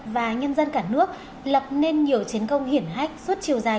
và nhân dân cả nước lập nên nhiều chiến công hiển hách suốt chiều dài